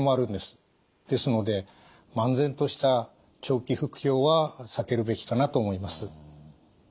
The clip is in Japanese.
ですので漫然とした長期服用は避けるべきかなと思います。